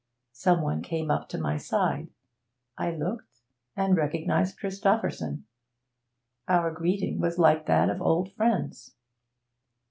Some one came up to my side; I looked, and recognised Christopherson. Our greeting was like that of old friends.